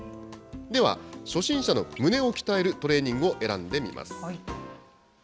では、初心者の胸を鍛えるトレーニングを選んでみます。